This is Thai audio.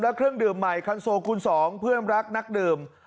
และเครื่องดื่มใหม่คันโซคูณ๒เพื่อนรักนักดื่ม